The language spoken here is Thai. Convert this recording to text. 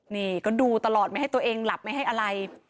นี่ก็ดูตลอดไม่ให้ตัวเองหลับไม่ให้อะไร